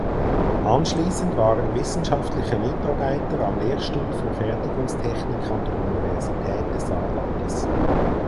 Anschließend war er wissenschaftlicher Mitarbeiter am Lehrstuhl für Fertigungstechnik an der Universität des Saarlandes.